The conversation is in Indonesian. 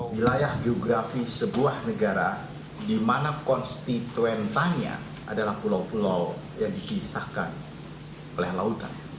wilayah geografi sebuah negara di mana konstituentanya adalah pulau pulau yang dikisahkan oleh lautan